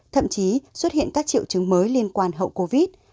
thậm chí xuất hiện các triệu chứng mới liên quan hậu covid